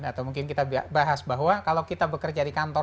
atau mungkin kita bahas bahwa kalau kita bekerja di kantor